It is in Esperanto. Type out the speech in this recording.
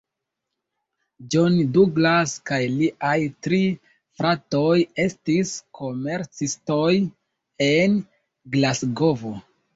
John Douglas kaj liaj tri fratoj estis komercistoj en Glasgovo.